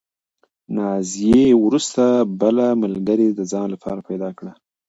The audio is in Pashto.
نازیې وروسته بله ملګرې د ځان لپاره پیدا کړه.